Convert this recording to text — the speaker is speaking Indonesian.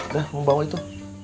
teh mau bawa itu